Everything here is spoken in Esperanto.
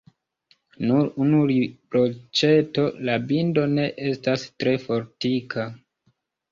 Nur unu riproĉeto: la bindo ne estas tre fortika.